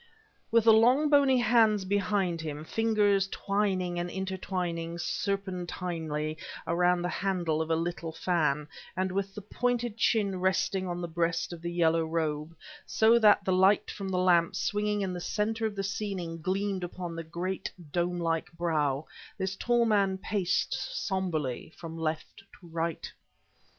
With the long, bony hands behind him, fingers twining and intertwining serpentinely about the handle of a little fan, and with the pointed chin resting on the breast of the yellow robe, so that the light from the lamp swinging in the center of the ceiling gleamed upon the great, dome like brow, this tall man paced somberly from left to right.